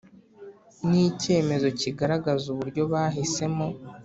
n icyemezo kigaragaza uburyo bahisemo